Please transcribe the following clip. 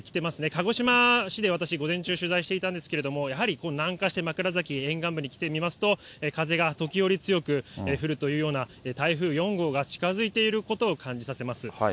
鹿児島市で私午前中取材していたんですけれども、やはり南下して、枕崎沿岸部に来てみますと、風が時折強く降るというような台風４号が近づいていることを感じさせます。